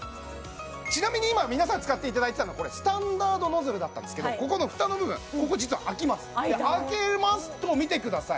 ちなみに今皆さん使っていただいてたのはこれスタンダードノズルだったんですけどここの蓋の部分ここ実はあきますあけますと見てください